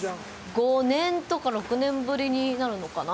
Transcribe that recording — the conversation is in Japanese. ５年とか６年ぶりになるのかな。